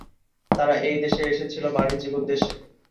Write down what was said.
তারা এই দেশে এসেছিলো বাণিজ্যিক উদ্দেশ্যে।